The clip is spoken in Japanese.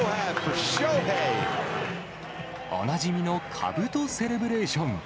おなじみのかぶとセレブレーション。